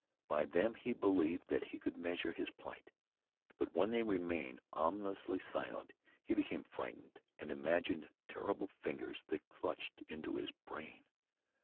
By them he believed that he could measure his plight. But when they remained ominously silent he became frightened and imagined terrible fingers that clutched into his brain.